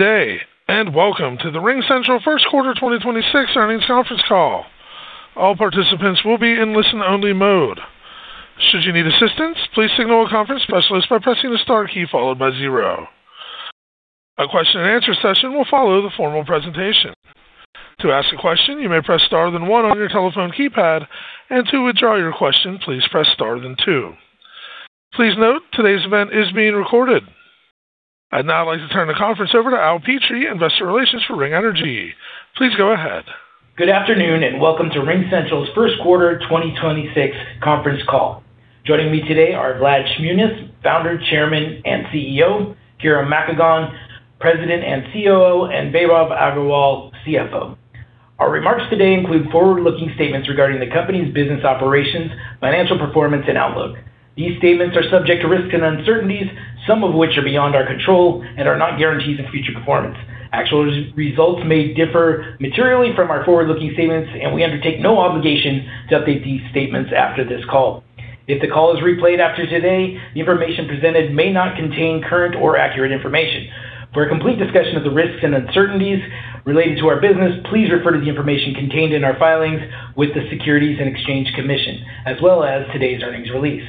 Day, and welcome to the RingCentral first quarter 2026 earnings conference call All participant will be in listen only mode should you need assistant please signal the conference specialist for pressing the star key followed by zero a question and answer will follow after the formal presentation. To ask a question you press star then one on your telephone key pad and to withdraw your call please press star then two please note todays event is being recorded. I'd now like to turn the conference over to Al Petrie, Investor Relations for Ring Energy. Please go ahead. Good afternoon, and welcome to RingCentral's first quarter 2026 conference call. Joining me today are Vlad Shmunis, Founder, Chairman, and CEO, Kira Makagon, President and COO, and Vaibhav Agarwal, CFO. Our remarks today include forward-looking statements regarding the company's business operations, financial performance, and outlook. These statements are subject to risks and uncertainties, some of which are beyond our control and are not guarantees of future performance. Actual results may differ materially from our forward-looking statements, and we undertake no obligation to update these statements after this call. If the call is replayed after today, the information presented may not contain current or accurate information. For a complete discussion of the risks and uncertainties related to our business, please refer to the information contained in our filings with the Securities and Exchange Commission, as well as today's earnings release.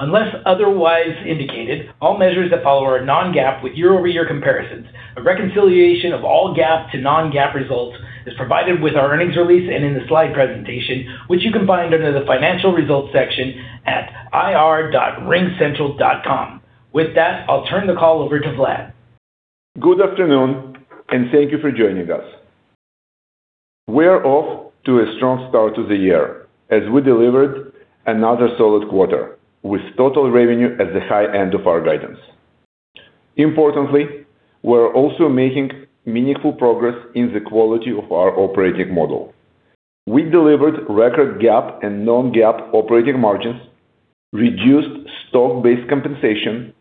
Unless otherwise indicated, all measures that follow are non-GAAP with year-over-year comparisons. A reconciliation of all GAAP to non-GAAP results is provided with our earnings release and in the slide presentation, which you can find under the Financial Results section at ir.ringcentral.com. With that, I'll turn the call over to Vlad. Good afternoon, and thank you for joining us. We're off to a strong start to the year as we delivered another solid quarter with total revenue at the high end of our guidance. Importantly, we're also making meaningful progress in the quality of our operating model. We delivered record GAAP and non-GAAP operating margins, reduced stock-based compensation,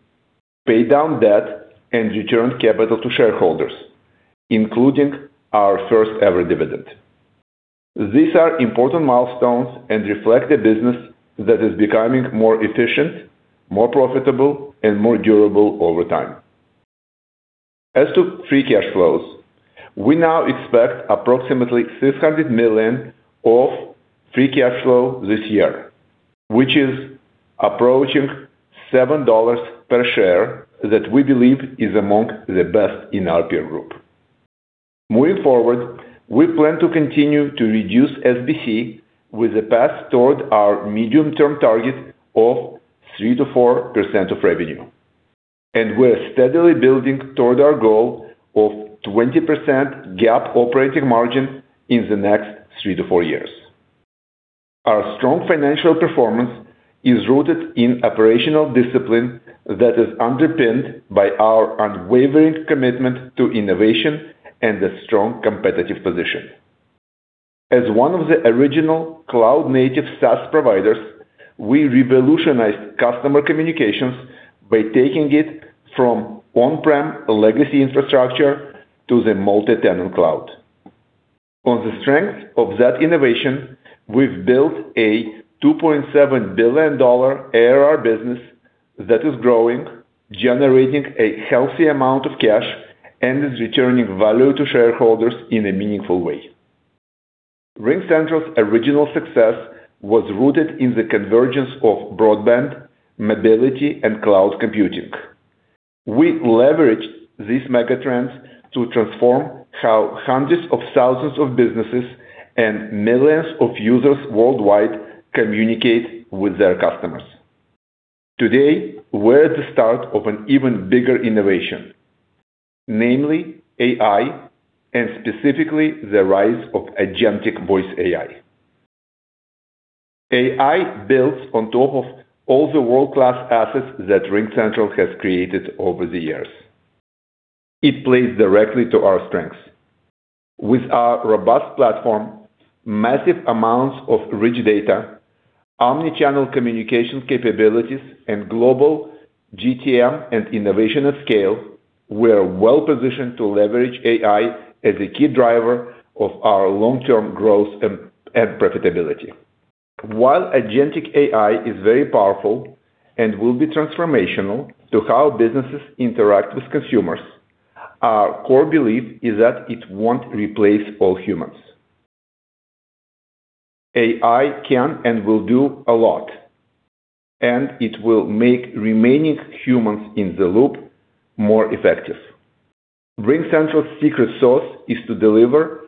paid down debt, and returned capital to shareholders, including our first-ever dividend. These are important milestones and reflect a business that is becoming more efficient, more profitable, and more durable over time. As to free cash flows, we now expect approximately $600 million of free cash flow this year, which is approaching $7 per share that we believe is among the best in our peer group. Moving forward, we plan to continue to reduce SBC with a path toward our medium-term target of 3%-4% of revenue, and we're steadily building toward our goal of 20% GAAP operating margin in the next three to four years. Our strong financial performance is rooted in operational discipline that is underpinned by our unwavering commitment to innovation and a strong competitive position. As one of the original cloud-native SaaS providers, we revolutionized customer communications by taking it from on-prem legacy infrastructure to the multi-tenant cloud. On the strength of that innovation, we've built a $2.7 billion ARR business that is growing, generating a healthy amount of cash, and is returning value to shareholders in a meaningful way. RingCentral's original success was rooted in the convergence of broadband, mobility, and cloud computing. We leveraged these mega trends to transform how hundreds of thousands of businesses and millions of users worldwide communicate with their customers. Today, we're at the start of an even bigger innovation, namely AI, and specifically the rise of agentic voice AI. AI builds on top of all the world-class assets that RingCentral has created over the years. It plays directly to our strengths with our robust platform, massive amounts of rich data, omni-channel communication capabilities, and global GTM and innovation of scale, we're well-positioned to leverage AI as a key driver of our long-term growth and profitability. While agentic AI is very powerful and will be transformational to how businesses interact with consumers, our core belief is that it won't replace all humans. AI can and will do a lot, and it will make remaining humans in the loop more effective. RingCentral's secret sauce is to deliver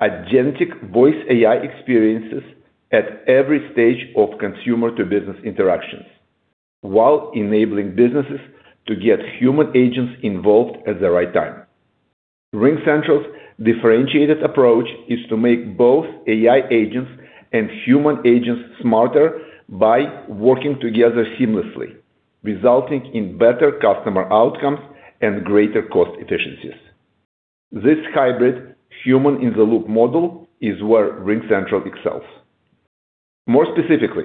agentic voice AI experiences at every stage of consumer-to-business interactions while enabling businesses to get human agents involved at the right time. RingCentral's differentiated approach is to make both AI agents and human agents smarter by working together seamlessly, resulting in better customer outcomes and greater cost efficiencies. This hybrid Human-in-the-loop model is where RingCentral excels. More specifically,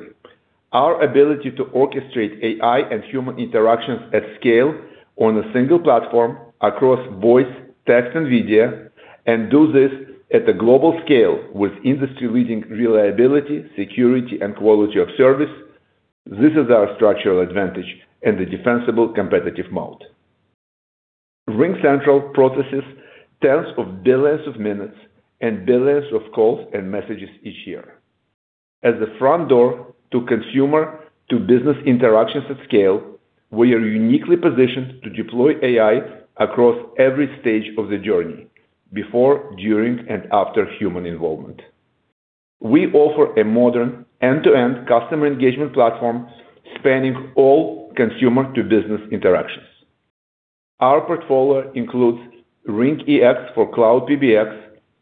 our ability to orchestrate AI and human interactions at scale on a single platform across voice, text, and video, and do this at a global scale with industry-leading reliability, security, and quality of service. This is our structural advantage and the defensible competitive moat. RingCentral processes tens of billions of minutes and billions of calls and messages each year. As the front door to consumer to business interactions at scale, we are uniquely positioned to deploy AI across every stage of the journey before, during, and after human involvement. We offer a modern end-to-end customer engagement platform spanning all consumer to business interactions. Our portfolio includes RingEX for cloud PBX,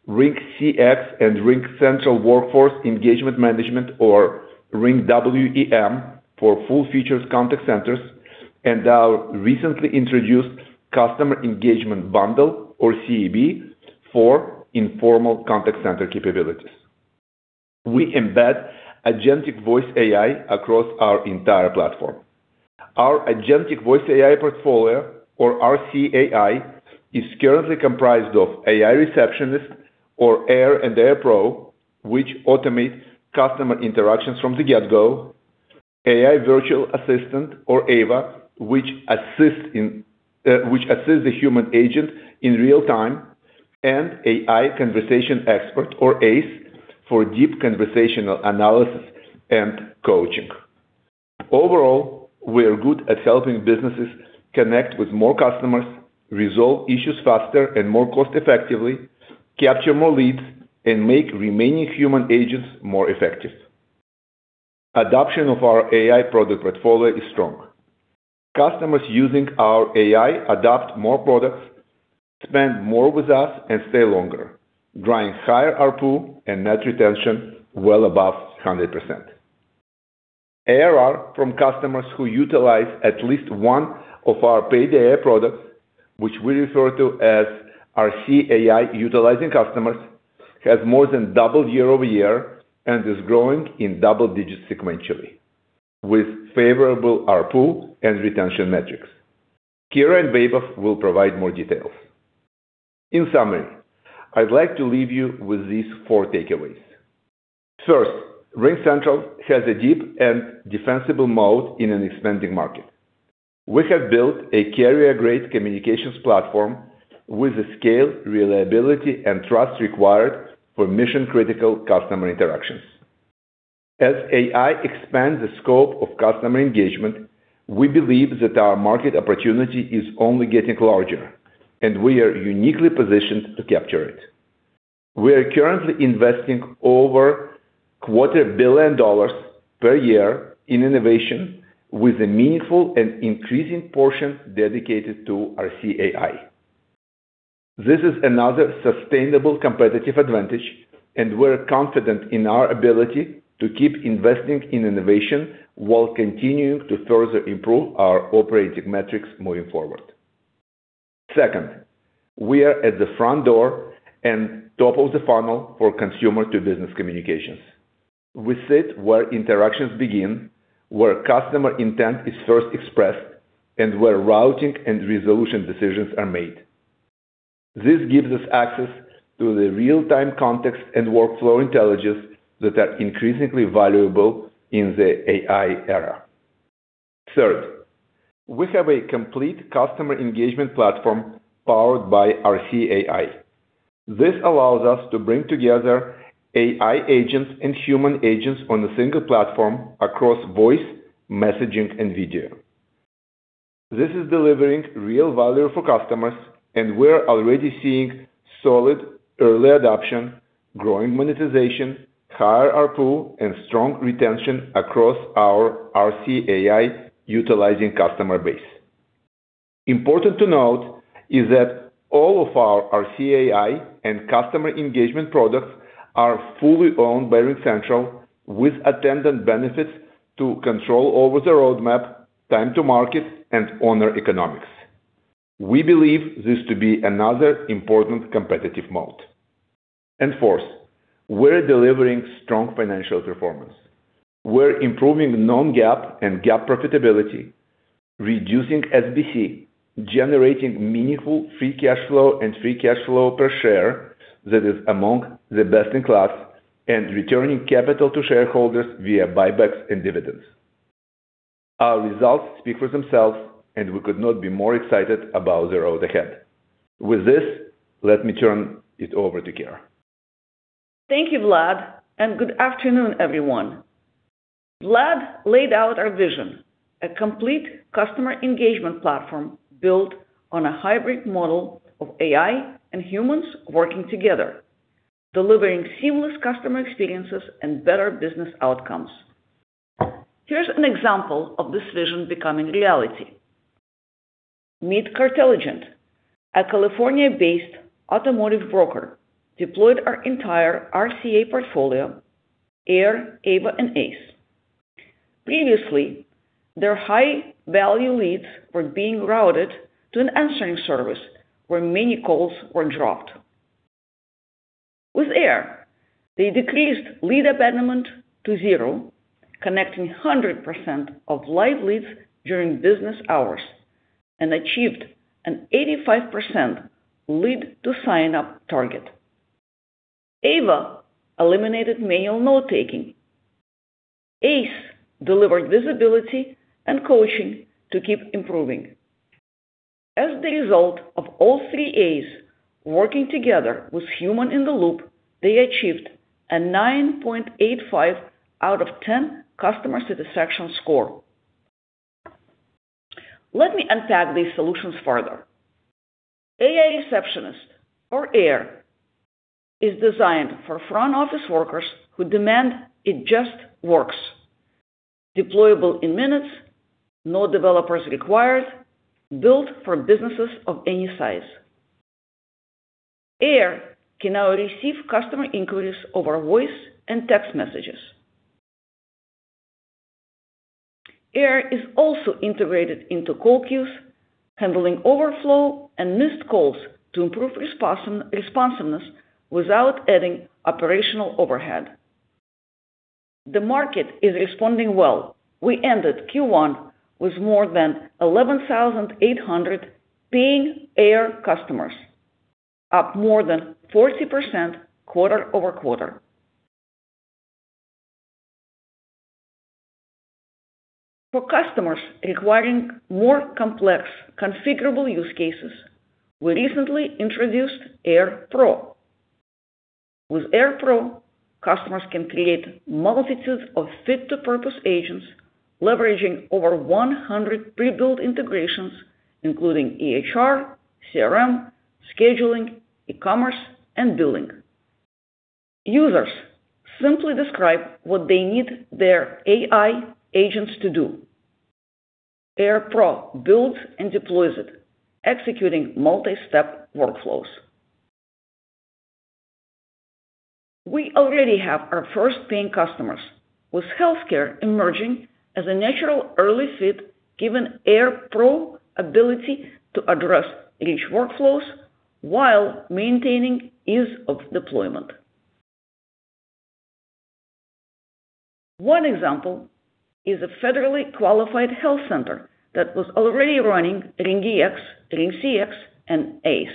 RingCX, and RingCentral Workforce Engagement Management or RingWEM for full features contact centers, and our recently introduced Customer Engagement Bundle or CEB for informal contact center capabilities. We embed agentic voice AI across our entire platform. Our agentic voice AI portfolio or RCAI is currently comprised of AI Receptionist or AIR and AIR Pro, which automate customer interactions from the get-go. AI Virtual Assistant or AVA, which assists the human agent in real time, and AI Conversation Expert or ACE for deep conversational analysis and coaching. Overall, we are good at helping businesses connect with more customers, resolve issues faster and more cost effectively, capture more leads, and make remaining human agents more effective. Adoption of our AI product portfolio is strong. Customers using our AI adopt more products, spend more with us, and stay longer, driving higher ARPU and net retention well above 100%. ARR from customers who utilize at least one of our paid AI products, which we refer to as RCAI-utilizing customers, has more than doubled year-over-year and is growing in double digits sequentially with favorable ARPU and retention metrics. Kira and Vaibhav will provide more details. In summary, I'd like to leave you with these four takeaways. First, RingCentral has a deep and defensible mode in an expanding market. We have built a carrier-grade communications platform with the scale, reliability, and trust required for mission-critical customer interactions. As AI expands the scope of customer engagement, we believe that our market opportunity is only getting larger, and we are uniquely positioned to capture it. We are currently investing over quarter billion dollars per year in innovation with a meaningful and increasing portion dedicated to RCAI. This is another sustainable competitive advantage. We're confident in our ability to keep investing in innovation while continuing to further improve our operating metrics moving forward. Second, we are at the front door and top of the funnel for consumer to business communications. We sit where interactions begin, where customer intent is first expressed, and where routing and resolution decisions are made. This gives us access to the real-time context and workflow intelligence that are increasingly valuable in the AI era. Third, we have a complete customer engagement platform powered by RCAI. This allows us to bring together AI agents and human agents on a single platform across voice, messaging, and video. This is delivering real value for customers, and we're already seeing solid early adoption, growing monetization, higher ARPU, and strong retention across our RCAI-utilizing customer base. Important to note is that all of our RCAI and customer engagement products are fully owned by RingCentral with attendant benefits to control over the roadmap, time to market, and owner economics. We believe this to be another important competitive mode. Fourth, we're delivering strong financial performance. We're improving non-GAAP and GAAP profitability, reducing SBC, generating meaningful free cash flow and free cash flow per share that is among the best in class, and returning capital to shareholders via buybacks and dividends. Our results speak for themselves, and we could not be more excited about the road ahead. With this, let me turn it over to Kira. Thank you, Vlad, and good afternoon, everyone. Vlad laid out our vision, a complete customer engagement platform built on a hybrid model of AI and humans working together, delivering seamless customer experiences and better business outcomes. Here's an example of this vision becoming reality. Meet Cartelligent, a California-based automotive broker deployed our entire RCAI portfolio, AIR, AVA, and ACE. Previously, their high-value leads were being routed to an answering service where many calls were dropped. With AIR, they decreased lead abandonment to zero, connecting 100% of live leads during business hours and achieved an 85% lead to sign-up target. AVA eliminated manual note-taking. ACE delivered visibility and coaching to keep improving. As the result of all three A's working together with human in the loop, they achieved a 9.85 out of 10 customer satisfaction score. Let me unpack these solutions further. AI Receptionist or AIR is designed for front office workers who demand it just works. Deployable in minutes, no developers required, built for businesses of any size. AIR can now receive customer inquiries over voice and text messages. AIR is also integrated into Call Queues, handling overflow and missed calls to improve responsiveness without adding operational overhead. The market is responding well. We ended Q1 with more than 11,800 paying AIR customers, up more than 40% quarter-over-quarter. For customers requiring more complex configurable use cases, we recently introduced AIR Pro. With AIR Pro, customers can create multitudes of fit-to-purpose agents leveraging over 100 pre-built integrations, including EHR, CRM, scheduling, e-commerce, and billing. Users simply describe what they need their AI agents to do. AIR Pro builds and deploys it, executing multi-step workflows. We already have our first paying customers, with healthcare emerging as a natural early fit given AIR Pro ability to address rich workflows while maintaining ease of deployment. One example is a federally qualified health center that was already running RingEX, RingCX, and ACE.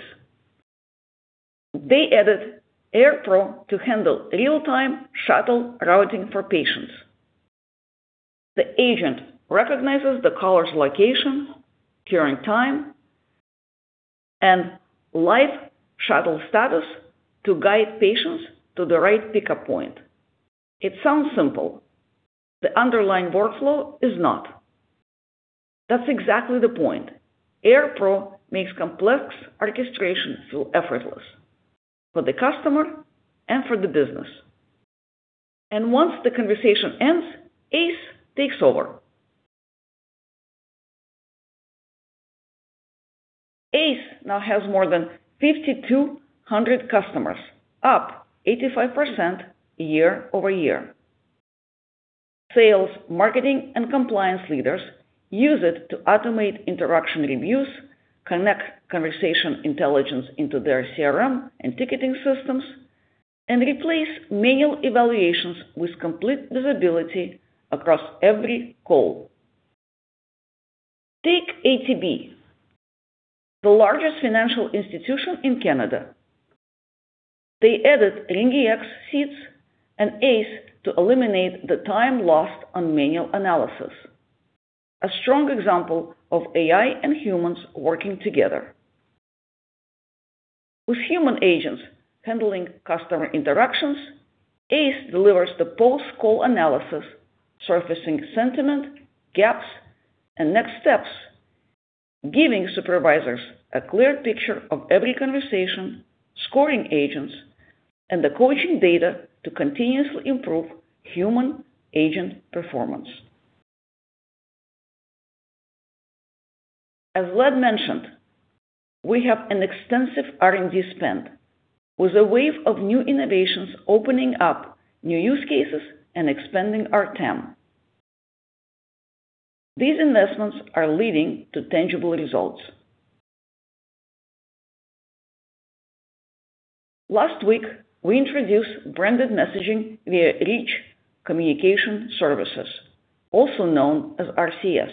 They added AIR Pro to handle real-time shuttle routing for patients. The agent recognizes the caller's location, current time, and live shuttle status to guide patients to the right pickup point. It sounds simple. The underlying workflow is not. That's exactly the point. AIR Pro makes complex orchestration feel effortless for the customer and for the business. Once the conversation ends, ACE takes over. ACE now has more than 5,200 customers, up 85% year-over-year. Sales, marketing, and compliance leaders use it to automate interaction reviews, connect conversation intelligence into their CRM and ticketing systems, and replace manual evaluations with complete visibility across every call. Take ATB, the largest financial institution in Canada. They added RingEX seats and ACE to eliminate the time lost on manual analysis, a strong example of AI and humans working together. With human agents handling customer interactions, ACE delivers the post-call analysis, surfacing sentiment, gaps, and next steps, giving supervisors a clear picture of every conversation, scoring agents, and the coaching data to continuously improve human agent performance. As Vlad mentioned, we have an extensive R&D spend with a wave of new innovations opening up new use cases and expanding our TAM. These investments are leading to tangible results. Last week, we introduced branded messaging via Rich Communication Services, also known as RCS,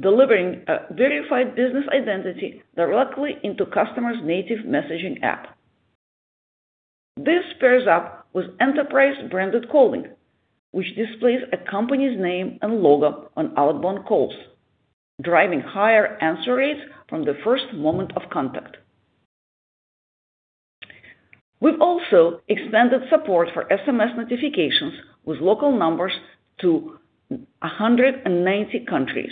delivering a verified business identity directly into customers' native messaging app. This pairs up with enterprise branded calling, which displays a company's name and logo on outbound calls, driving higher answer rates from the first moment of contact. We've also extended support for SMS notifications with local numbers to 190 countries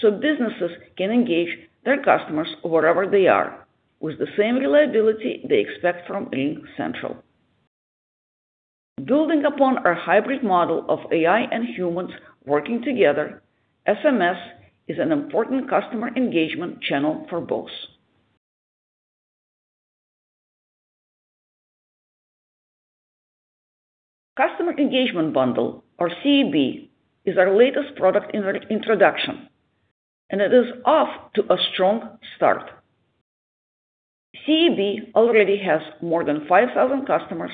so businesses can engage their customers wherever they are with the same reliability they expect from RingCentral. Building upon our hybrid model of AI and humans working together, SMS is an important customer engagement channel for both. Customer Engagement Bundle, or CEB, is our latest product introduction, and it is off to a strong start. CEB already has more than 5,000 customers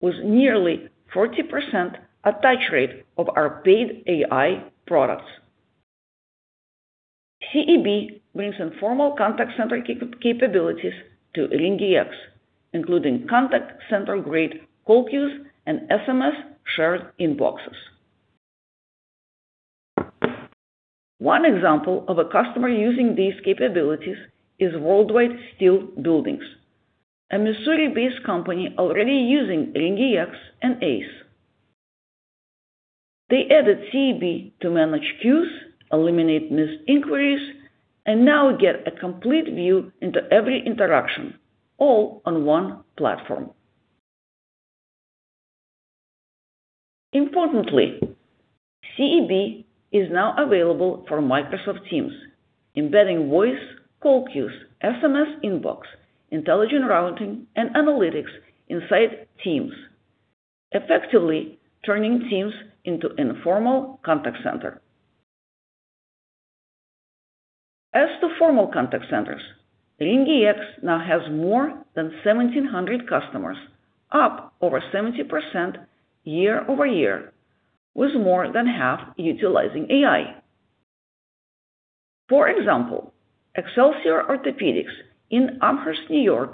with nearly 40% attach rate of our paid AI products. CEB brings informal contact center capabilities to RingEX, including contact center grade call queues and SMS shared inboxes. One example of a customer using these capabilities is Worldwide Steel Buildings, a Missouri-based company already using RingEX and ACE. They added CEB to manage queues, eliminate missed inquiries, and now get a complete view into every interaction, all on one platform. Importantly, CEB is now available for Microsoft Teams, embedding voice, call queues, SMS inbox, intelligent routing, and analytics inside Teams, effectively turning Teams into informal contact center. As to formal contact centers, RingEX now has more than 1,700 customers, up over 70% year-over-year, with more than half utilizing AI. For example, Excelsior Orthopaedics in Amherst, N.Y.,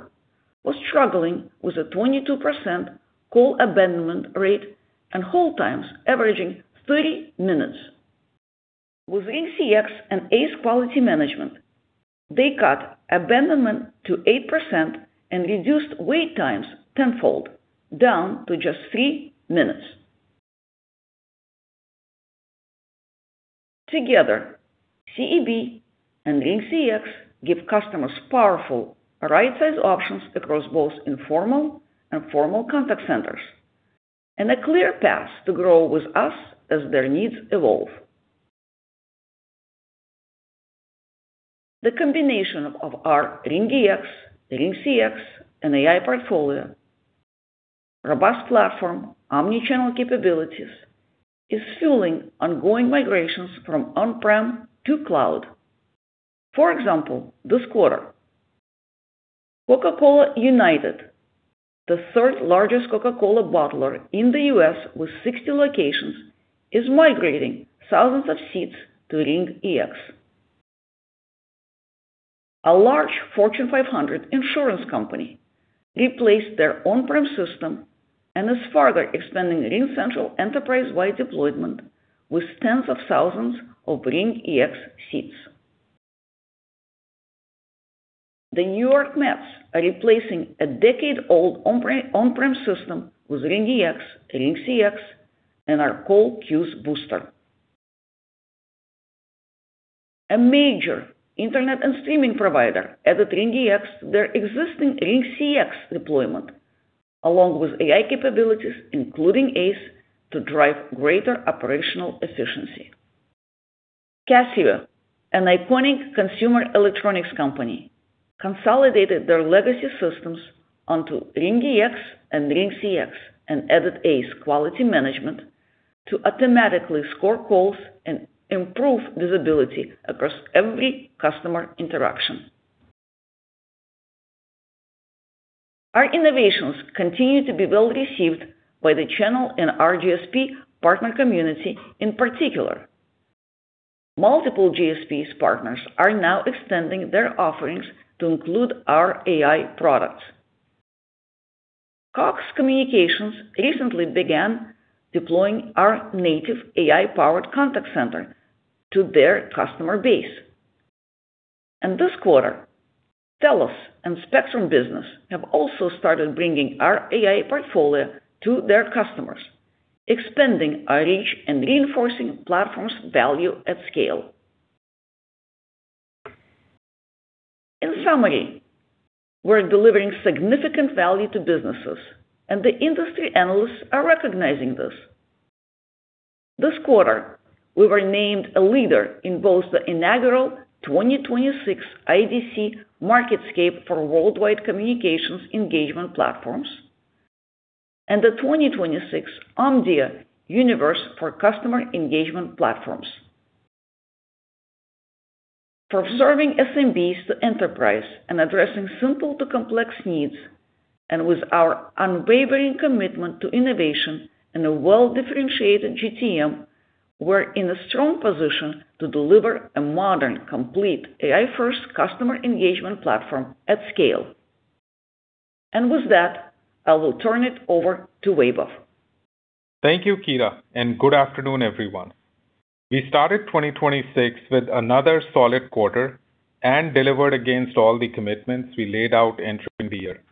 was struggling with a 22% call abandonment rate and hold times averaging 30 minutes. With RingCX and ACE Quality Management, they cut abandonment to 8% and reduced wait times tenfold, down to just three minutes. Together, CEB and RingCX give customers powerful right-size options across both informal and formal contact centers and a clear path to grow with us as their needs evolve. The combination of our RingEX, RingCX, and AI portfolio, robust platform, omni-channel capabilities is fueling ongoing migrations from on-prem to cloud. For example, this quarter, Coca-Cola UNITED, the third-largest Coca-Cola bottler in the U.S. with 60 locations, is migrating thousands of seats to RingEX. A large Fortune 500 insurance company replaced their on-prem system and is further expanding RingCentral enterprise-wide deployment with tens of thousands of RingEX seats. The New York Mets are replacing a decade-old on-prem system with RingEX, RingCX, and our Call Queues Booster. A major internet and streaming provider added RingEX to their existing RingCX deployment, along with AI capabilities including ACE, to drive greater operational efficiency. Casio, an iconic consumer electronics company, consolidated their legacy systems onto RingEX and RingCX and added ACE Quality Management to automatically score calls and improve visibility across every customer interaction. Our innovations continue to be well-received by the channel and our GSP partner community in particular. Multiple GSPs partners are now extending their offerings to include our AI products. Cox Communications recently began deploying our native AI-powered contact center to their customer base. This quarter, TELUS and Spectrum Business have also started bringing our AI portfolio to their customers, expanding our reach and reinforcing platform's value at scale. In summary, we're delivering significant value to businesses, the industry analysts are recognizing this. This quarter, we were named a leader in both the inaugural 2026 IDC MarketScape for Worldwide Communications Engagement Platforms and the 2026 Omdia Universe for Customer Engagement Platforms. From serving SMBs to enterprise and addressing simple to complex needs, with our unwavering commitment to innovation and a well-differentiated GTM, we're in a strong position to deliver a modern, complete AI-first customer engagement platform at scale. With that, I will turn it over to Vaibhav. Thank you, Kira, and good afternoon, everyone. We started 2026 with another solid quarter and delivered against all the commitments we laid out entering the year.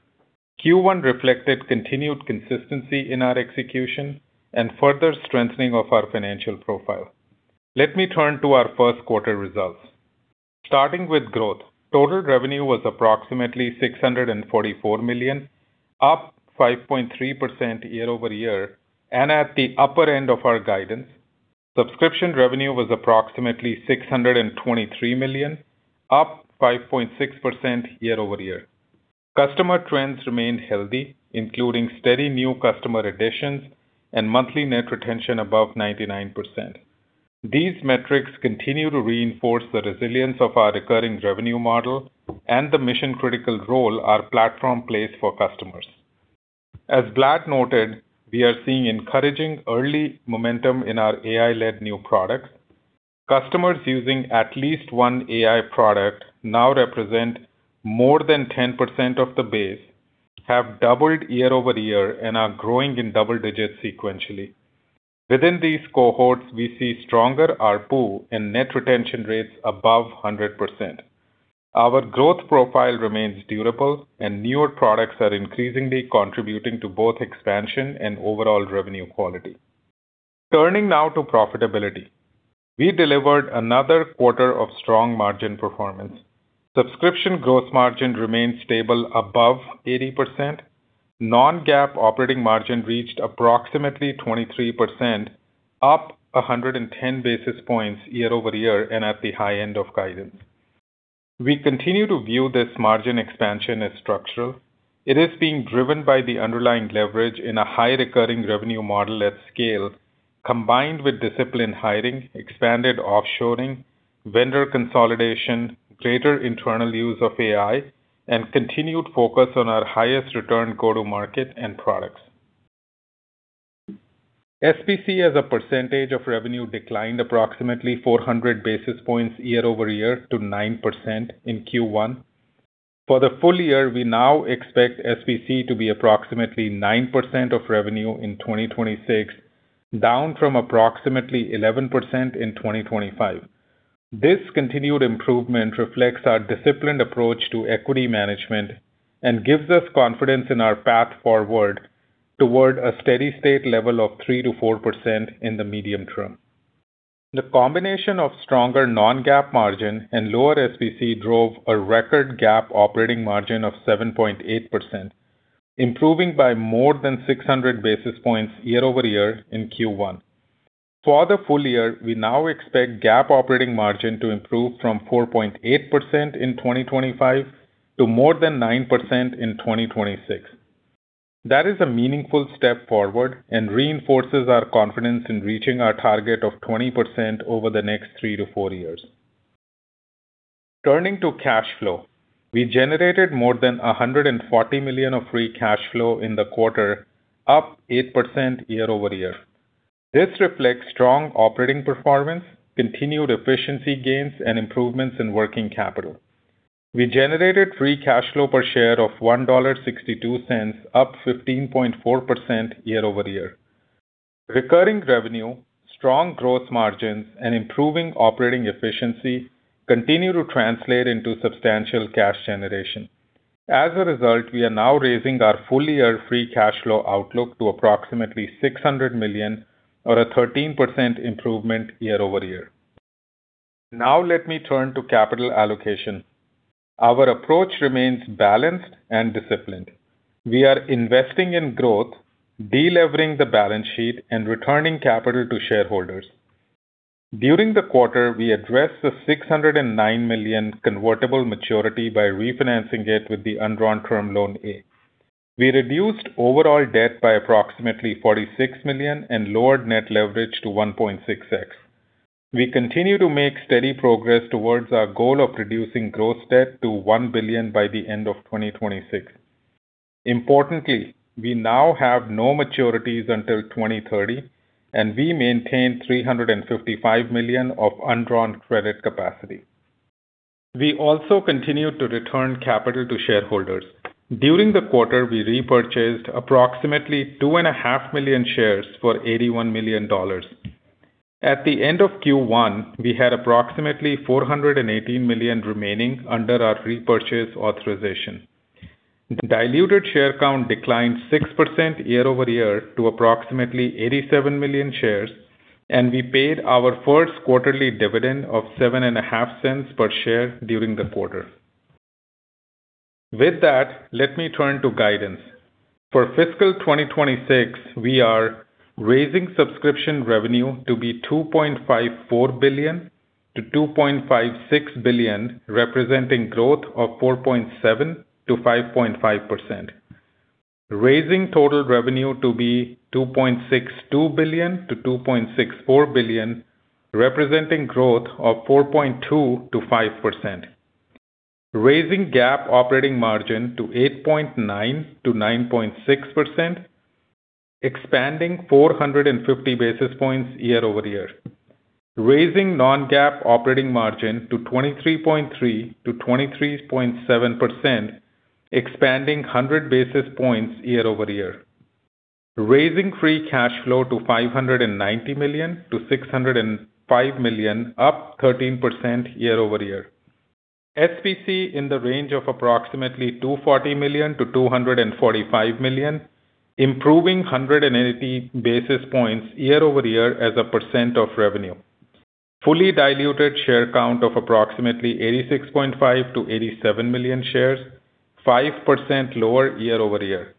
Q1 reflected continued consistency in our execution and further strengthening of our financial profile. Let me turn to our first quarter results. Starting with growth, total revenue was approximately $644 million, up 5.3% year-over-year, and at the upper end of our guidance, subscription revenue was approximately $623 million, up 5.6% year-over-year. Customer trends remained healthy, including steady new customer additions and monthly net retention above 99%. These metrics continue to reinforce the resilience of our recurring revenue model and the mission-critical role our platform plays for customers. As Vlad noted, we are seeing encouraging early momentum in our AI-led new products. Customers using at least one AI product now represent more than 10% of the base, have doubled year-over-year, and are growing in double-digits sequentially. Within these cohorts, we see stronger ARPU and net retention rates above 100%. Our growth profile remains durable and newer products are increasingly contributing to both expansion and overall revenue quality. Turning now to profitability. We delivered another quarter of strong margin performance. Subscription growth margin remains stable above 80%. Non-GAAP operating margin reached approximately 23%, up 110 basis points year-over-year and at the high end of guidance. We continue to view this margin expansion as structural. It is being driven by the underlying leverage in a high recurring revenue model at scale, combined with disciplined hiring, expanded offshoring, vendor consolidation, greater internal use of AI, and continued focus on our highest return go-to market and products. SBC as a percentage of revenue declined approximately 400 basis points year-over-year to 9% in Q1. For the full year, we now expect SBC to be approximately 9% of revenue in 2026, down from approximately 11% in 2025. This continued improvement reflects our disciplined approach to equity management and gives us confidence in our path forward toward a steady state level of 3%-4% in the medium term. The combination of stronger non-GAAP margin and lower SBC drove a record GAAP operating margin of 7.8%, improving by more than 600 basis points year-over-year in Q1. For the full year, we now expect GAAP operating margin to improve from 4.8% in 2025 to more than 9% in 2026. That is a meaningful step forward and reinforces our confidence in reaching our target of 20% over the next three to four years. Turning to cash flow. We generated more than $140 million of free cash flow in the quarter, up 8% year-over-year. This reflects strong operating performance, continued efficiency gains, and improvements in working capital. We generated free cash flow per share of $1.62, up 15.4% year-over-year. Recurring revenue, strong growth margins, and improving operating efficiency continue to translate into substantial cash generation. As a result, we are now raising our full-year free cash flow outlook to approximately $600 million or a 13% improvement year-over-year. Let me turn to capital allocation. Our approach remains balanced and disciplined. We are investing in growth, de-levering the balance sheet, and returning capital to shareholders. During the quarter, we addressed the $609 million convertible maturity by refinancing it with the undrawn Term Loan A. We reduced overall debt by approximately $46 million and lowered net leverage to 1.6x. We continue to make steady progress towards our goal of reducing gross debt to $1 billion by the end of 2026. Importantly, we now have no maturities until 2030, and we maintain $355 million of undrawn credit capacity. We also continue to return capital to shareholders. During the quarter, we repurchased approximately 2.5 million shares for $81 million. At the end of Q1, we had approximately $418 million remaining under our repurchase authorization. Diluted share count declined 6% year-over-year to approximately 87 million shares, and we paid our first quarterly dividend of $0.075 per share during the quarter. With that, let me turn to guidance. For fiscal 2026, we are raising subscription revenue to be $2.54 billion-$2.56 billion, representing growth of 4.7%-5.5%. Raising total revenue to be $2.62 billion-$2.64 billion, representing growth of 4.2%-5%. Raising GAAP operating margin to 8.9%-9.6%, expanding 450 basis points year over year. Raising non-GAAP operating margin to 23.3%-23.7%, expanding 100 basis points year over year. Raising free cash flow to $590 million-$605 million, up 13% year over year. SBC in the range of approximately $240 million-$245 million, improving 180 basis points year over year as a percent of revenue. Fully diluted share count of approximately 86.5 million-87 million shares, 5% lower year over year.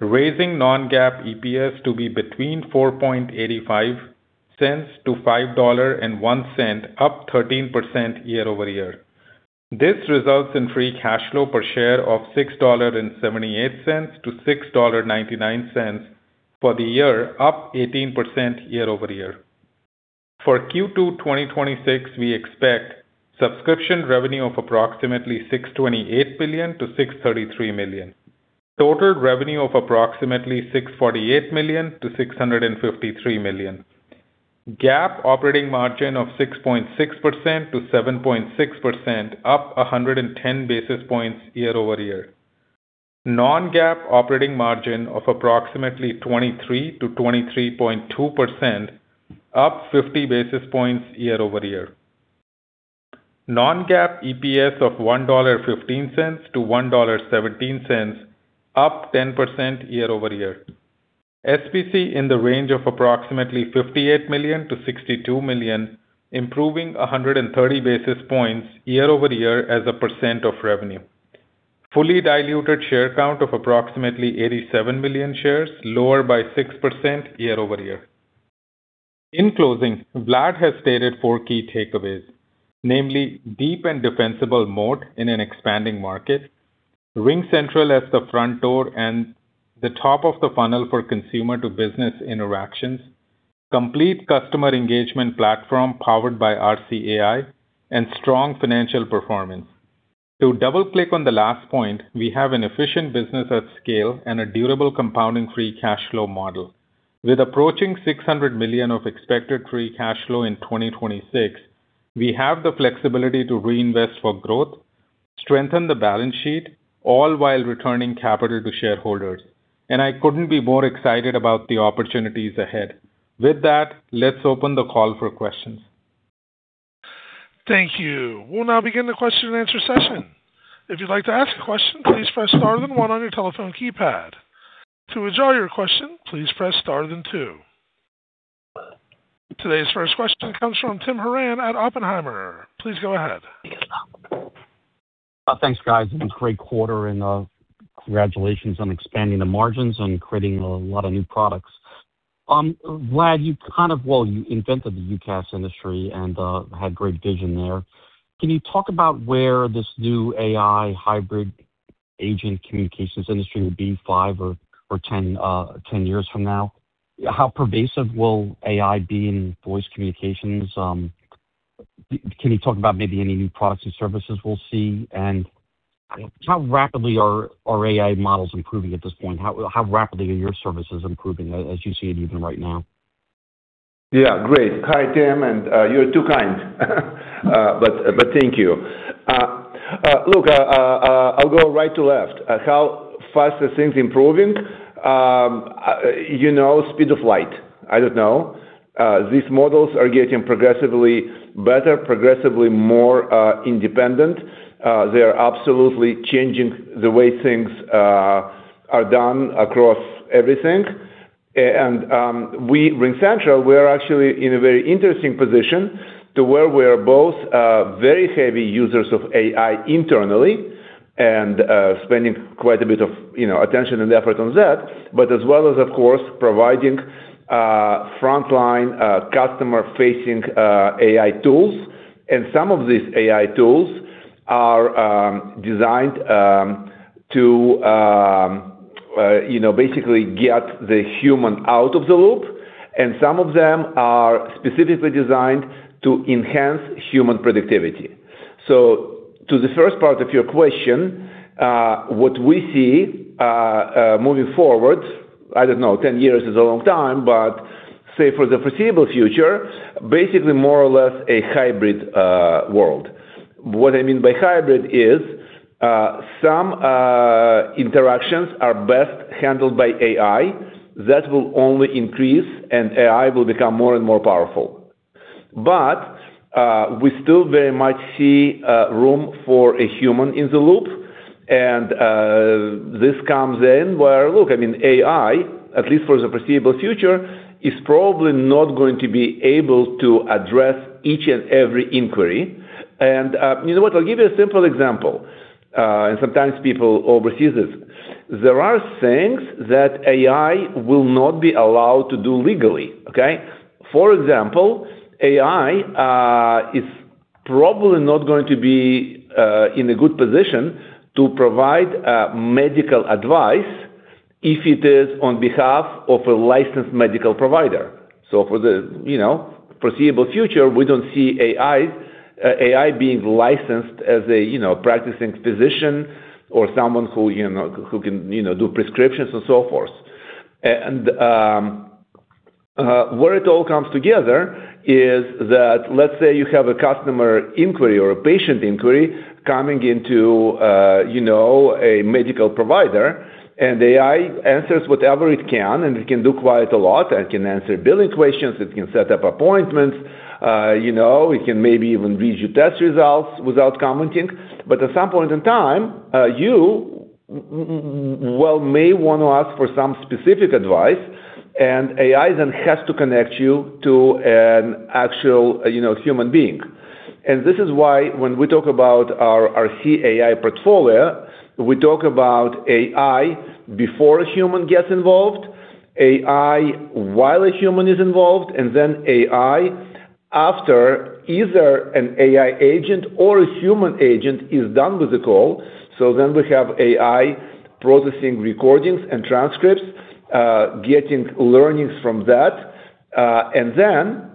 Raising non-GAAP EPS to be between $4.85-$$5.01 up 13% year-over-year. This results in free cash flow per share of $6.78-$6.99 for the year, up 18% year-over-year. For Q2 2026, we expect subscription revenue of approximately $628 million-$633 million. Total revenue of approximately $648 million-$653 million. GAAP operating margin of 6.6%-7.6%, up 110 basis points year-over-year. non-GAAP operating margin of approximately 23%-23.2%, up 50 basis points year-over-year. non-GAAP EPS of $1.15-$1.17, up 10% year-over-year. SBC in the range of approximately $58 million to $62 million, improving 130 basis points year-over-year as a percent of revenue. Fully diluted share count of approximately 87 million shares, lower by 6% year-over-year. In closing, Vlad has stated four key takeaways, namely deep and defensible moat in an expanding market, RingCentral as the front door and the top of the funnel for consumer-to-business interactions, complete customer engagement platform powered by RCAI, and strong financial performance. To double-click on the last point, we have an efficient business at scale and a durable compounding free cash flow model. With approaching $600 million of expected free cash flow in 2026, we have the flexibility to reinvest for growth, strengthen the balance sheet, all while returning capital to shareholders, I couldn't be more excited about the opportunities ahead. With that, let's open the call for questions. Thank you. We'll now begin the question and answer session. If you'd like to ask a question, please press star then one on your telephone keypad. To withdraw your question, please press star then two. Today's first question comes from Tim Horan at Oppenheimer. Please go ahead. Thanks, guys. It's been a great quarter, and congratulations on expanding the margins and creating a lot of new products. Vlad, you kind of, well, you invented the UCaaS industry and had great vision there. Can you talk about where this new AI hybrid agent communications industry will be five or 10 years from now? How pervasive will AI be in voice communications? Can you talk about maybe any new products and services we'll see? How rapidly are AI models improving at this point? How rapidly are your services improving as you see it even right now? Yeah, great. Hi, Tim, and you're too kind. Thank you. I'll go right to left. How fast are things improving? You know, speed of light. I don't know. These models are getting progressively better, progressively more independent. They are absolutely changing the way things are done across everything. We, RingCentral, we're actually in a very interesting position to where we're both very heavy users of AI internally and spending quite a bit of, you know, attention and effort on that, but as well as, of course, providing frontline, customer-facing AI tools. Some of these AI tools are designed to, you know, basically get the human out of the loop, and some of them are specifically designed to enhance human productivity. To the first part of your question, what we see moving forward, I don't know, 10 years is a long time, but say for the foreseeable future, basically more or less a hybrid world. What I mean by hybrid is, some interactions are best handled by AI. That will only increase, and AI will become more and more powerful. We still very much see room for a human in the loop. This comes in where, look, I mean, AI, at least for the foreseeable future, is probably not going to be able to address each and every inquiry. You know what? I'll give you a simple example. And sometimes people overseas this. There are things that AI will not be allowed to do legally, okay? For example, AI is probably not going to be in a good position to provide medical advice if it is on behalf of a licensed medical provider. For the, you know, foreseeable future, we don't see AI being licensed as a, you know, practicing physician or someone who can do prescriptions and so forth. Where it all comes together is that let's say you have a customer inquiry or a patient inquiry coming into, you know, a medical provider, and AI answers whatever it can, and it can do quite a lot. It can answer billing questions. It can set up appointments. You know, it can maybe even read your test results without commenting. At some point in time, you well may want to ask for some specific advice, AI then has to connect you to an actual, you know, human being. This is why when we talk about our RCAI portfolio, we talk about AI before a human gets involved, AI while a human is involved, and then AI after either an AI agent or a human agent is done with the call. We have AI processing recordings and transcripts, getting learnings from that, and then,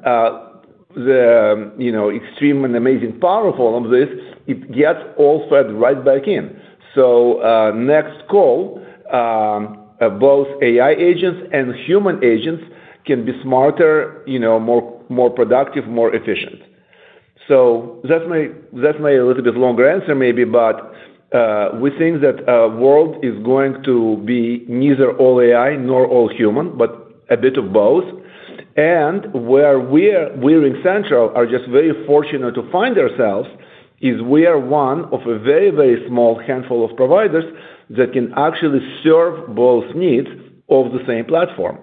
the, you know, extreme and amazing power of all of this, it gets all fed right back in. Next call, both AI agents and human agents can be smarter, you know, more productive, more efficient. That's my a little bit longer answer maybe, but we think that world is going to be neither all AI nor all human, but a bit of both. Where we are, we in RingCentral are just very fortunate to find ourselves, is we are one of a very small handful of providers that can actually serve both needs of the same platform.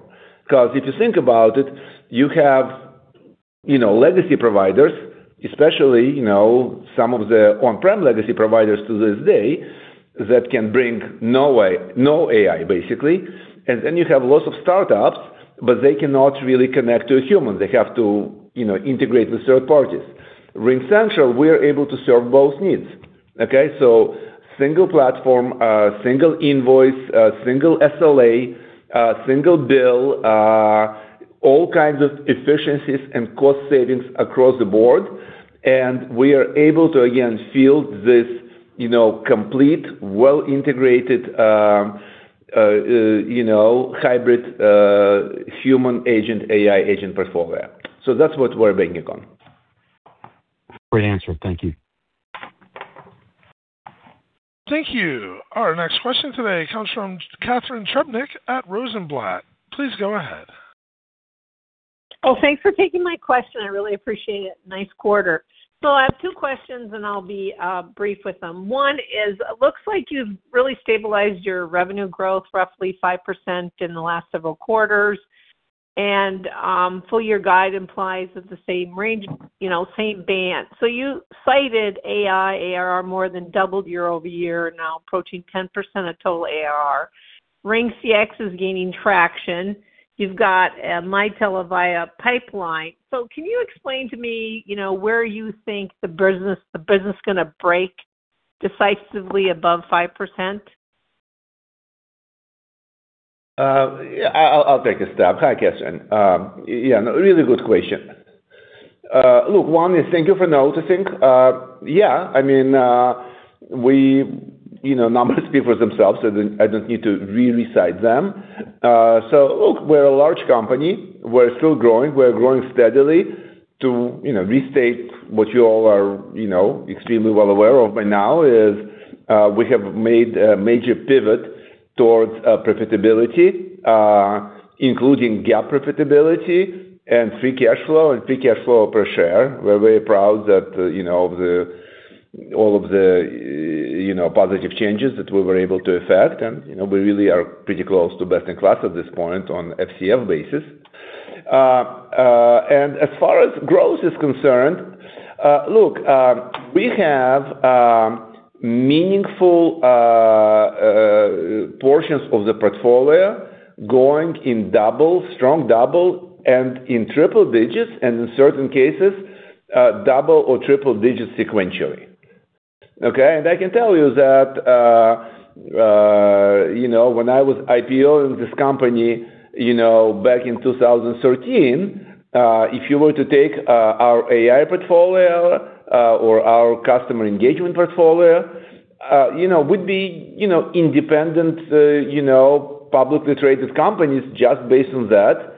Because if you think about it, you have, you know, legacy providers, especially, you know, some of the on-prem legacy providers to this day that can bring no way, no AI, basically. You have lots of startups, but they cannot really connect to a human. They have to, you know, integrate with third parties. RingCentral, we're able to serve both needs, okay? Single platform, single invoice, single SLA, single bill, all kinds of efficiencies and cost savings across the board. We are able to, again, field this, you know, complete, well-integrated, you know, hybrid, human agent, AI agent portfolio. That's what we're banking on. Great answer. Thank you. Thank you. Our next question today comes from Catharine Trebnick at Rosenblatt. Please go ahead. Thanks for taking my question. I really appreciate it. Nice quarter. I have two questions, and I'll be brief with them. One is, it looks like you've really stabilized your revenue growth roughly 5% in the last several quarters. Full-year guide implies that the same range, you know, same band. You cited AI, ARR more than doubled year-over-year, now approaching 10% of total ARR. RingCX is gaining traction. You've got a Mitel via pipeline. Can you explain to me, you know, where you think the business gonna break decisively above 5%? I'll take a stab. Hi, Catharine. Really good question. We, you know, numbers speak for themselves. I don't need to really cite them. We're a large company. We're still growing. We're growing steadily to, you know, restate what you all are, you know, extremely well aware of by now is, we have made a major pivot towards profitability, including GAAP profitability and free cash flow and free cash flow per share. We're very proud that, you know, all of the, you know, positive changes that we were able to effect. You know, we really are pretty close to best in class at this point on FCF basis. As far as growth is concerned, look, we have meaningful portions of the portfolio growing in double, strong double, and in triple digits, and in certain cases, double or triple digits sequentially. Okay? I can tell you that, you know, when I was IPO in this company, you know, back in 2013, if you were to take our AI portfolio or our Customer Engagement portfolio, you know, would be, you know, independent, you know, publicly traded companies just based on that,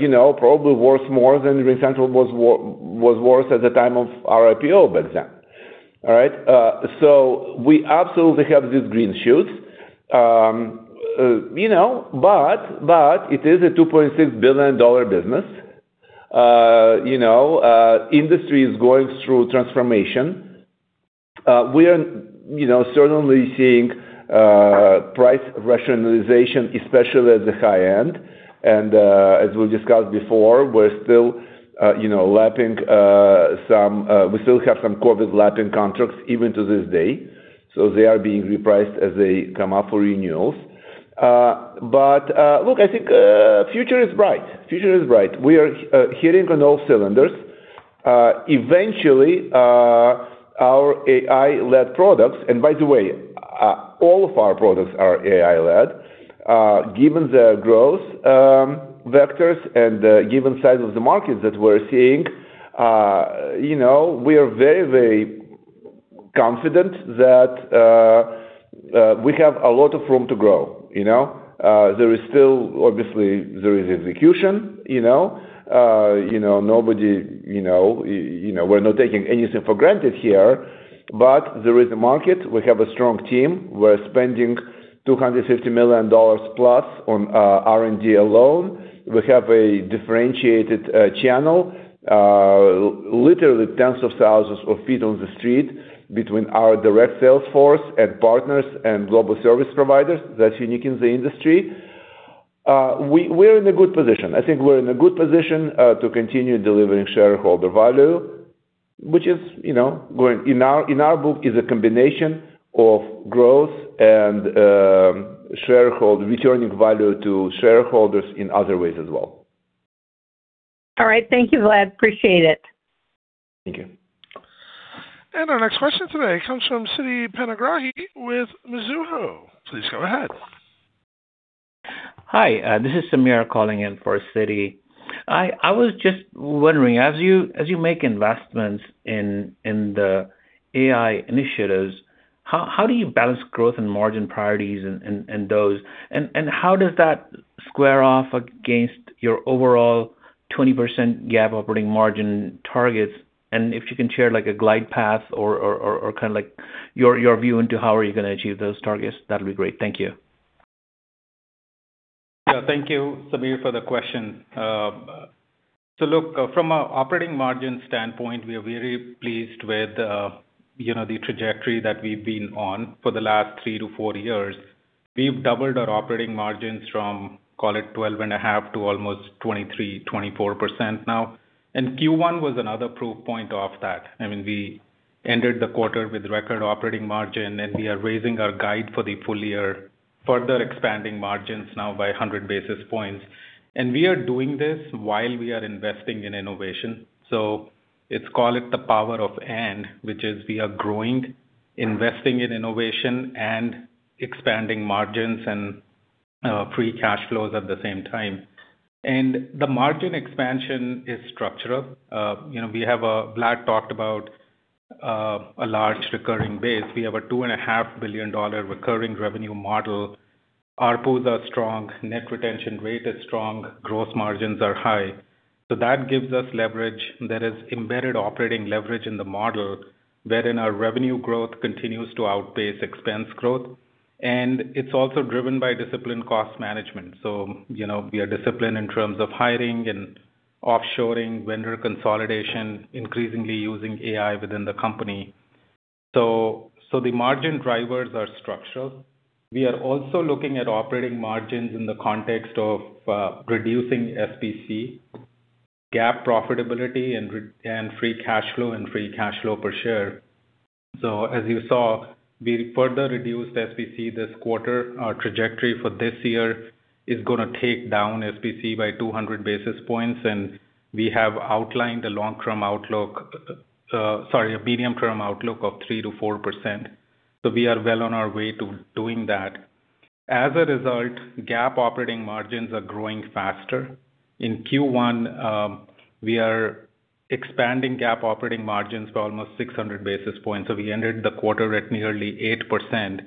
you know, probably worth more than RingCentral was worth at the time of our IPO back then. All right? So we absolutely have these green shoots. You know, but it is a $2.6 billion business. You know, industry is going through transformation. We are, you know, certainly seeing price rationalization, especially at the high end. As we discussed before, we're still, you know, lapping some, we still have some COVID lapping contracts even to this day. They are being repriced as they come up for renewals. Look, I think future is bright. Future is bright. We are hitting on all cylinders. Eventually, our AI-led products, and by the way, all of our products are AI-led, given their growth vectors and the given size of the market that we're seeing, you know, we are very, very confident that we have a lot of room to grow, you know. There is still obviously there is execution, you know. you know, nobody, you know, we're not taking anything for granted here, but there is a market. We have a strong team. We're spending $250 million plus on R&D alone. We have a differentiated channel, literally tens of thousands of feet on the street between our direct sales force and partners and global service providers. That's unique in the industry. We're in a good position. I think we're in a good position to continue delivering shareholder value, which is, you know, going in our book is a combination of growth and shareholder, returning value to shareholders in other ways as well. All right. Thank you, Vlad. Appreciate it. Thank you. Our next question today comes from Siti Panigrahi with Mizuho. Please go ahead. Hi, this is Samir calling in for Siti. I was just wondering, as you make investments in the AI initiatives, how do you balance growth and margin priorities and those? How does that square off against your overall 20% GAAP operating margin targets? If you can share like a glide path or kind of like your view into how are you going to achieve those targets, that'll be great. Thank you. Yeah. Thank you, Samir, for the question. Look, from an operating margin standpoint, we are very pleased with, you know, the trajectory that we've been on for the last three to four years. We've doubled our operating margins from, call it, 12.5% to almost 23%, 24% now. Q1 was another proof point of that. I mean, we ended the quarter with record operating margin. We are raising our guide for the full year, further expanding margins now by 100 basis points. We are doing this while we are investing in innovation. Let's call it the power of and, which is we are growing, investing in innovation, and expanding margins and free cash flows at the same time. The margin expansion is structural. You know, we have. Vlad talked about a large recurring base. We have a $2.5 billion recurring revenue model. ARPU are strong, net retention rate is strong, gross margins are high. That gives us leverage there is embedded operating leverage in the model wherein our revenue growth continues to outpace expense growth. It's also driven by disciplined cost management. You know, we are disciplined in terms of hiring and offshoring, vendor consolidation, increasingly using AI within the company. The margin drivers are structural. We are also looking at operating margins in the context of reducing SBC, GAAP profitability and free cash flow and free cash flow per share. As you saw, we further reduced SBC this quarter. Our trajectory for this year is gonna take down SBC by 200 basis points, and we have outlined a long-term outlook, sorry, a medium-term outlook of 3%-4%. We are well on our way to doing that. As a result, GAAP operating margins are growing faster. In Q1, we are expanding GAAP operating margins by almost 600 basis points. We ended the quarter at nearly 8%,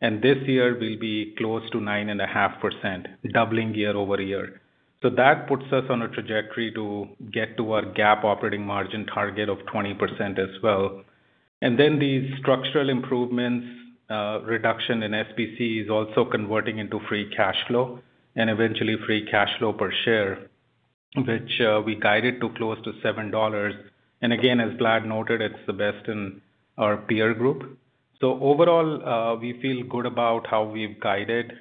and this year we'll be close to 9.5%, doubling year-over-year. That puts us on a trajectory to get to our GAAP operating margin target of 20% as well. The structural improvements, reduction in SBC is also converting into free cash flow and eventually free cash flow per share, which we guided to close to $7. Again, as Vlad noted, it's the best in our peer group. Overall, we feel good about how we've guided.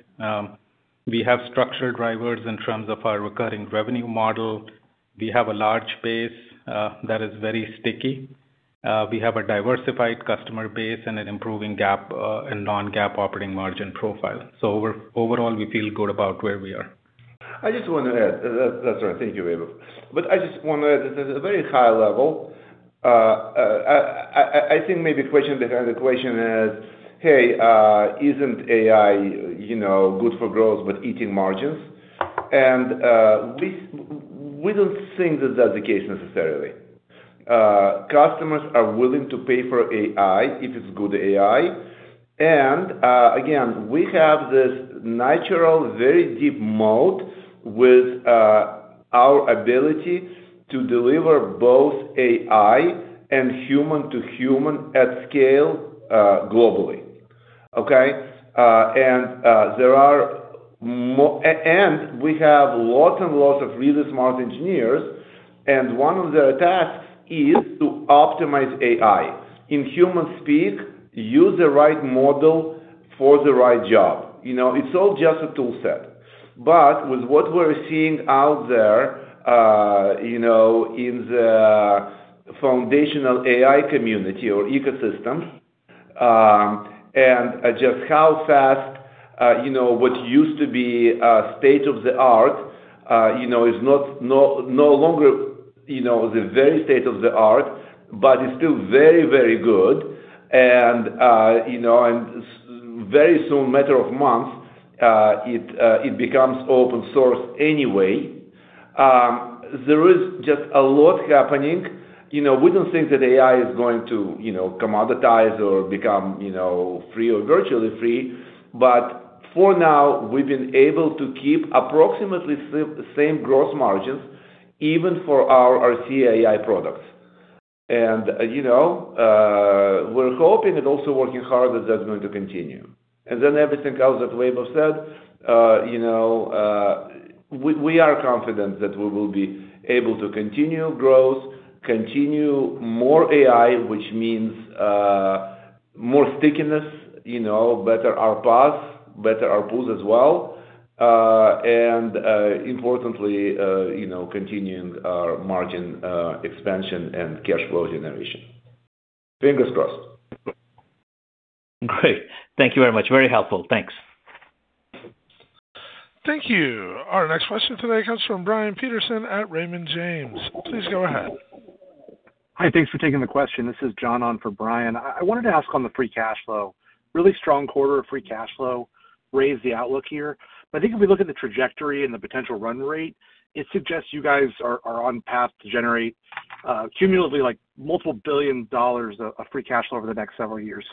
We have structured drivers in terms of our recurring revenue model. We have a large base that is very sticky. We have a diversified customer base and an improving GAAP and non-GAAP operating margin profile. Overall, we feel good about where we are. I just want to add. That, that's all right. Thank you, Vaibhav. I just want to add, this is a very high level. I think maybe question behind the question is, "Hey, isn't AI, you know, good for growth but eating margins?" We don't think that that's the case necessarily. Customers are willing to pay for AI if it's good AI. Again, we have this natural, very deep moat with our ability to deliver both AI and human to human at scale globally. Okay? There are lots and lots of really smart engineers, and one of their tasks is to optimize AI. In human speak, use the right model for the right job. You know, it's all just a tool set. With what we're seeing out there, you know, in the foundational AI community or ecosystem, and just how fast, you know, what used to be, state of the art, you know, is no longer, you know, the very state of the art, but it's still very, very good. You know, very soon, matter of months, it becomes open source anyway. There is just a lot happening. You know, we don't think that AI is going to, you know, commoditize or become, you know, free or virtually free. For now, we've been able to keep approximately same gross margins, even for our RCAI products. You know, we're hoping and also working hard that that's going to continue. Everything else that Vaibhav said, you know, we are confident that we will be able to continue growth, continue more AI, which means more stickiness, you know, better ARPUs as well. Importantly, you know, continuing our margin expansion and cash flow generation. Fingers crossed. Great. Thank you very much. Very helpful. Thanks. Thank you. Our next question today comes from Brian Peterson at Raymond James. Please go ahead. Hi, thanks for taking the question. This is John on for Brian. I wanted to ask on the free cash flow. Really strong quarter of free cash flow raised the outlook here. I think if we look at the trajectory and the potential run rate, it suggests you guys are on path to generate cumulatively like multiple billion dollars of free cash flow over the next several years.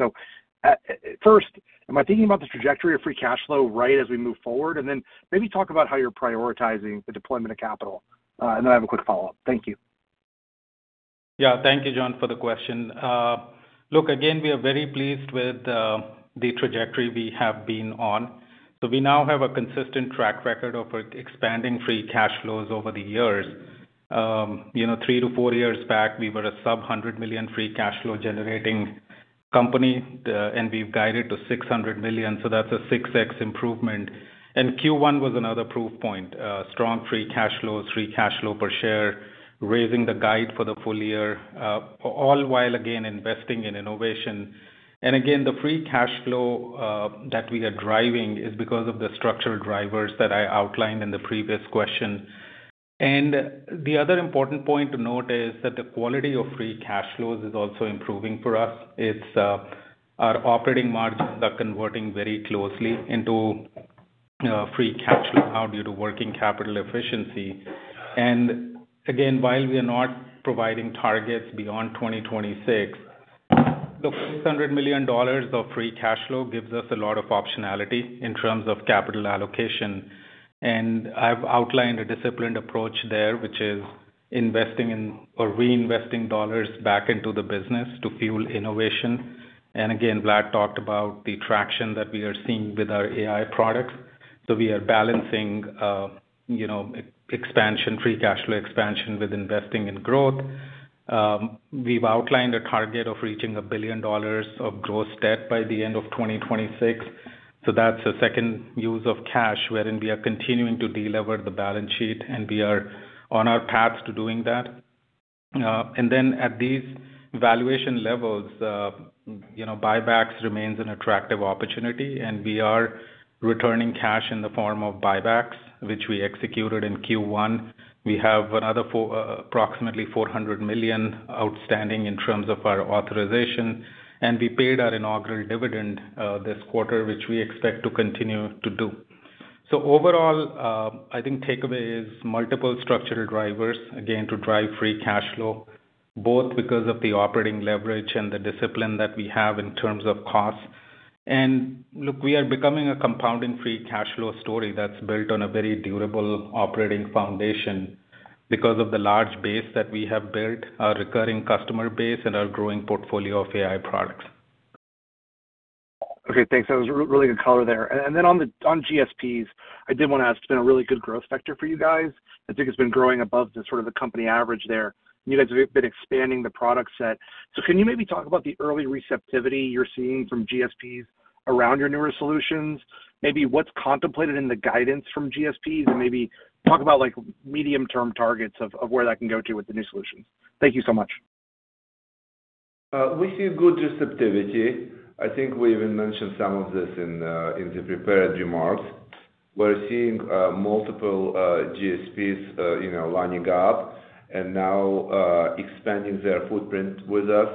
First, am I thinking about the trajectory of free cash flow right as we move forward? Maybe talk about how you're prioritizing the deployment of capital. I have a quick follow-up. Thank you. Yeah. Thank you, John, for the question. Look, again, we are very pleased with the trajectory we have been on. We now have a consistent track record of expanding free cash flows over the years. You know, three to four years back, we were a sub $100 million free cash flow generating company. We've guided to $600 million, that's a 6x improvement. Q1 was another proof point. Strong free cash flow, free cash flow per share, raising the guide for the full year, all while again investing in innovation. Again, the free cash flow that we are driving is because of the structural drivers that I outlined in the previous question. The other important point to note is that the quality of free cash flows is also improving for us. It's our operating margins are converting very closely into free cash flow out due to working capital efficiency. While we are not providing targets beyond 2026, the $600 million of free cash flow gives us a lot of optionality in terms of capital allocation. I've outlined a disciplined approach there, which is investing in or reinvesting dollars back into the business to fuel innovation. Vlad talked about the traction that we are seeing with our AI products. We are balancing, you know, expansion, free cash flow expansion with investing in growth. We've outlined a target of reaching $1 billion of gross debt by the end of 2026, so that's the second use of cash wherein we are continuing to delever the balance sheet, and we are on our path to doing that. At these valuation levels, you know, buybacks remains an attractive opportunity, and we are returning cash in the form of buybacks, which we executed in Q1. We have another approximately $400 million outstanding in terms of our authorization, and we paid our inaugural dividend this quarter, which we expect to continue to do. Overall, I think takeaway is multiple structural drivers, again, to drive free cash flow, both because of the operating leverage and the discipline that we have in terms of costs. Look, we are becoming a compounding free cash flow story that's built on a very durable operating foundation because of the large base that we have built, our recurring customer base and our growing portfolio of AI products. Okay, thanks. That was really good color there. Then on GSPs, I did wanna ask, it's been a really good growth sector for you guys. I think it's been growing above the sort of the company average there. You guys have been expanding the product set. Can you maybe talk about the early receptivity you're seeing from GSPs around your newer solutions? Maybe what's contemplated in the guidance from GSPs, and maybe talk about like medium-term targets of where that can go to with the new solutions. Thank you so much. We see good receptivity. I think we even mentioned some of this in the prepared remarks. We're seeing multiple GSPs lining up and now expanding their footprint with us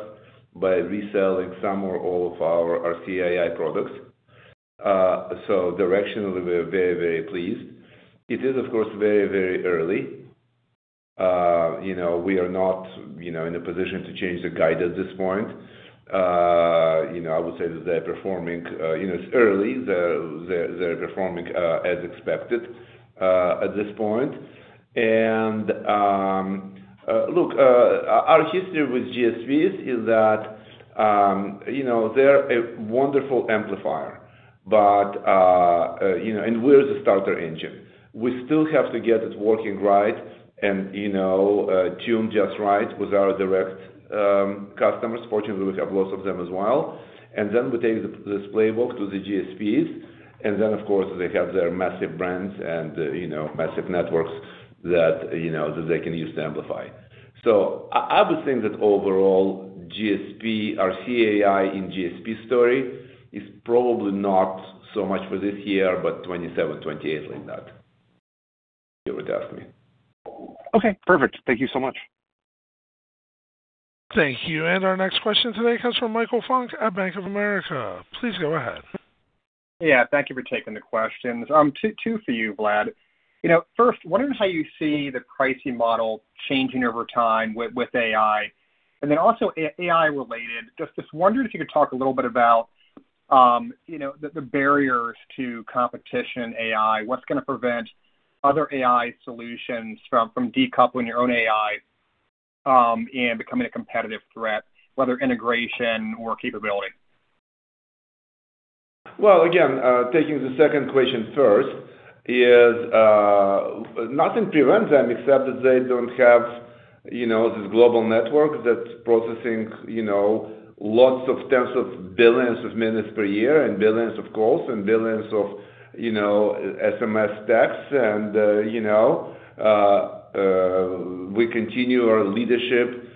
by reselling some or all of our RCAI products. Directionally, we're very, very pleased. It is, of course, very, very early. We are not in a position to change the guide at this point. I would say that they're performing, it's early. They're performing as expected at this point. Look, our history with GSPs is that they're a wonderful amplifier, but, and we're the starter engine. We still have to get it working right and, you know, tuned just right with our direct customers. Fortunately, we have lots of them as well. Then we take this playbook to the GSPs. Of course, they have their massive brands and, you know, massive networks that, you know, that they can use to amplify. I would think that overall, GSP or RCAI in GSP story is probably not so much for this year, but 2027, 2028 and that, if you would ask me. Okay, perfect. Thank you so much. Thank you. Our next question today comes from Michael Funk at Bank of America. Please go ahead. Thank you for taking the questions. two for you, Vlad. You know, first, wondering how you see the pricing model changing over time with AI. Also AI related, just wondering if you could talk a little bit about, you know, the barriers to competition AI. What's gonna prevent other AI solutions from decoupling your own AI and becoming a competitive threat, whether integration or capability? Well, again, taking the second question first is nothing prevents them except that they don't have, you know, this global network that's processing, you know, lots of tens of billions of minutes per year and billions of calls and billions of, you know, SMS texts, and we continue our leadership,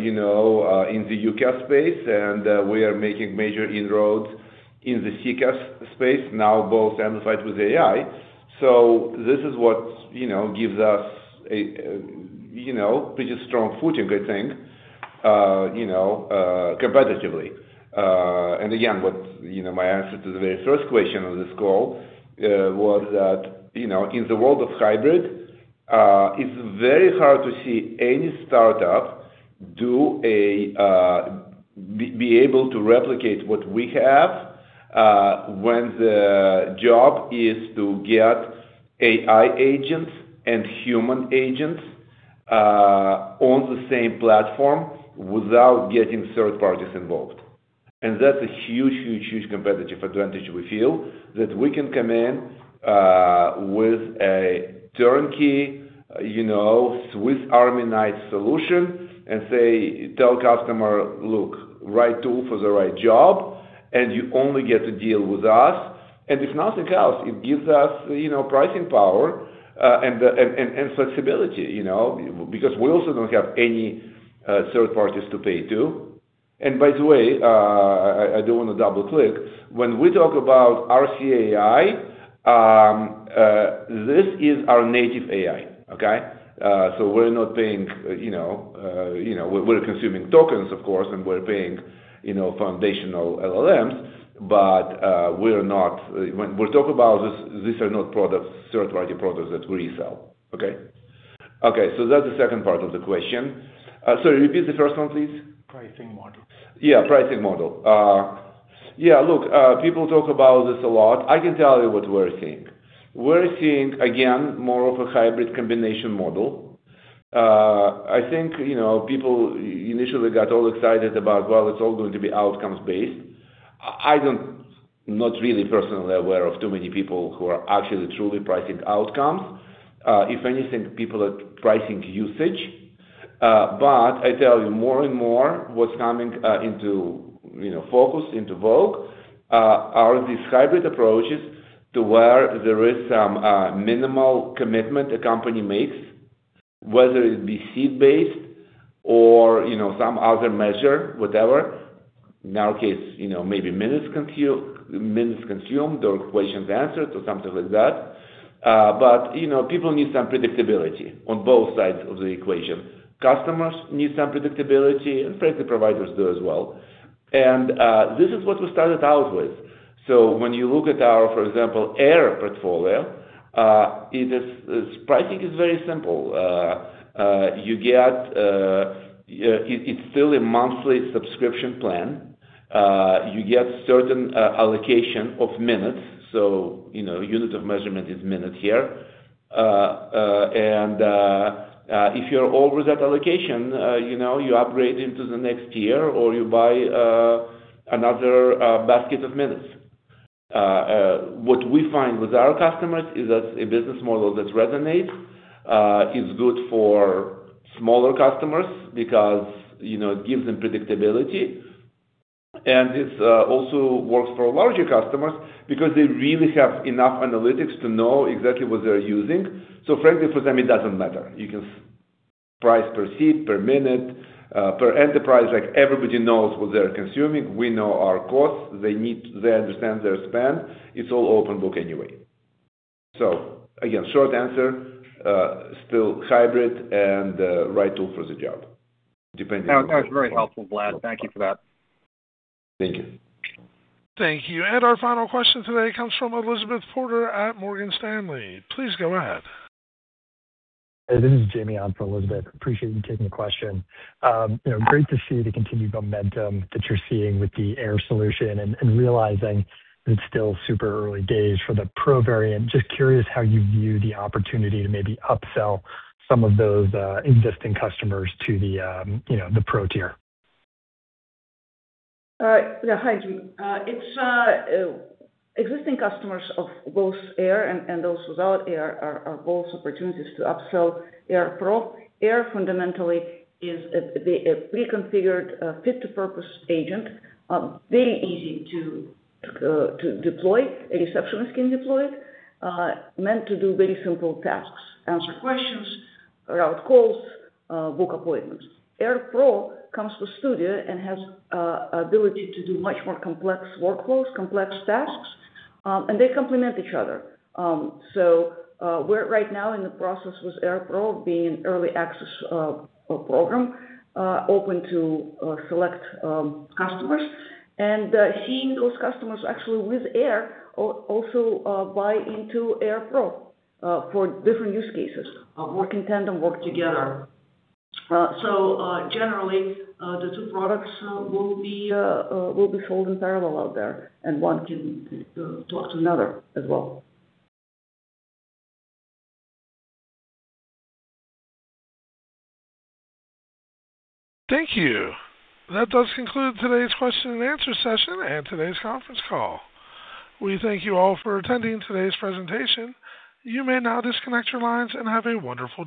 you know, in the UCaaS space, and we are making major inroads in the CCaaS space now, both amplified with AI. This is what, you know, gives us a, you know, pretty strong footing, I think, you know, competitively. Again, what, you know, my answer to the very first question on this call, was that, you know, in the world of hybrid, it's very hard to see any startup be able to replicate what we have, when the job is to get AI agents and human agents, on the same platform without getting third parties involved. That's a huge competitive advantage we feel that we can come in, with a turnkey, you know, Swiss Army knife solution and say, tell customer, "Look, right tool for the right job, and you only get to deal with us." If nothing else, it gives us, you know, pricing power, and flexibility, you know. Because we also don't have any third parties to pay to. By the way, I do wanna double-click. When we talk about RCAI, this is our native AI. Okay? So we're not paying, we're consuming tokens, of course, and we're paying foundational LLMs, but When we talk about this, these are not products, third-party products that we resell. Okay? That's the second part of the question. Sorry, repeat the first one, please. Pricing model. Pricing model. Look, people talk about this a lot. I can tell you what we're seeing. We're seeing, again, more of a hybrid combination model. I think, you know, people initially got all excited about, well, it's all going to be outcomes based. I'm not really personally aware of too many people who are actually truly pricing outcomes. If anything, people are pricing usage. But I tell you more and more what's coming into, you know, focus into vogue, are these hybrid approaches to where there is some minimal commitment a company makes, whether it be seed-based or, you know, some other measure, whatever. In our case, you know, maybe minutes consumed or questions answered or something like that. But you know, people need some predictability on both sides of the equation. Customers need some predictability, frankly, providers do as well. This is what we started out with. When you look at our, for example, AIR portfolio, its pricing is very simple. You get, it's still a monthly subscription plan. You get certain allocation of minutes. You know, unit of measurement is minutes here. If you're over that allocation, you know, you upgrade into the next tier or you buy another basket of minutes. What we find with our customers is that's a business model that resonates, is good for smaller customers because, you know, it gives them predictability. It also works for larger customers because they really have enough analytics to know exactly what they're using. Frankly, for them, it doesn't matter. You can price per seat, per minute, per enterprise. Like, everybody knows what they're consuming. We know our costs. They understand their spend. It's all open book anyway. Again, short answer, still hybrid and, right tool for the job. That was very helpful, Vlad. Thank you for that. Thank you. Thank you. Our final question today comes from Elizabeth Porter at Morgan Stanley. Please go ahead. This is [Jamie] on for Elizabeth. Appreciate you taking the question. You know, great to see the continued momentum that you're seeing with the AIR solution and realizing that it's still super early days for the AIR Pro variant. Just curious how you view the opportunity to maybe upsell some of those existing customers to the, you know, the AIR Pro tier? Yeah. Hi, Jamie. It's existing customers of both AIR and those without AIR are both opportunities to upsell AIR Pro. AIR fundamentally is a pre-configured, fit-to-purpose agent, very easy to deploy. A receptionist can deploy it. Meant to do very simple tasks, answer questions, route calls, book appointments. AIR Pro comes with AIR Pro Studio and has ability to do much more complex workflows, complex tasks. They complement each other. We're right now in the process with AIR Pro being early access program, open to select customers. Seeing those customers actually with AIR also buy into AIR Pro for different use cases, work in tandem, work together. Generally, the two products will be sold in parallel out there, and one can talk to another as well. Thank you. That does conclude today's question and answer session and today's conference call. We thank you all for attending today's presentation. You may now disconnect your lines and have a wonderful day.